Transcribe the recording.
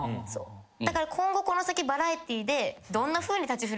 だから今後この先バラエティーで。